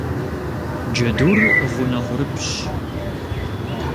Джэдур гъунэгъурыпщщ.